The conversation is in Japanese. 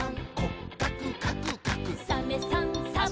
「サメさんサバさん」